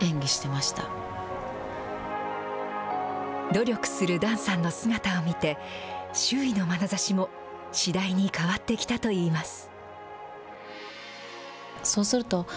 努力する檀さんの姿を見て、周囲のまなざしも次第に変わってきたといいます。